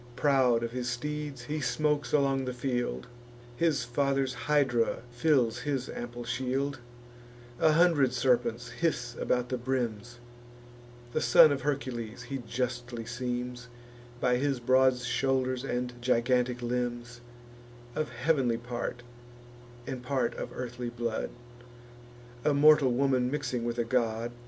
Proud of his steeds, he smokes along the field; His father's hydra fills his ample shield: A hundred serpents hiss about the brims; The son of Hercules he justly seems By his broad shoulders and gigantic limbs; Of heav'nly part, and part of earthly blood, A mortal woman mixing with a god.